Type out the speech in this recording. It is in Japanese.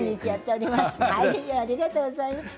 ありがとうございます。